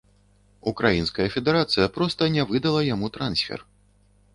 Украінская федэрацыя проста не выдала яму трансфер.